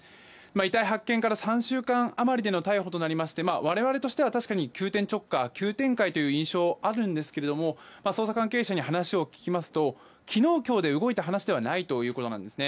遺体発見から３週間余りでの逮捕となりまして我々としては確かに急転直下という印象があるんですが捜査関係者に話を聞きますと昨日今日で動いた話ではないということです。